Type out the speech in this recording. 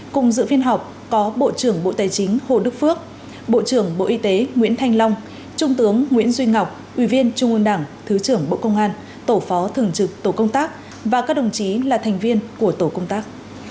cùng dự phiên họp có bộ trưởng bộ tài chính hồ đức phước bộ trưởng bộ y tế nguyễn thanh long trung tướng nguyễn duy ngọc ủy viên trung ương đảng thứ trưởng bộ công an tổ phó thường trực tổ công tác và các đồng chí là thành viên của tổ công tác